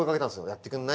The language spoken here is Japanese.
「やってくんない？」